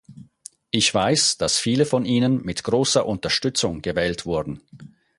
Ich weiß, dass viele von Ihnen mit großer Unterstützung gewählt wurden.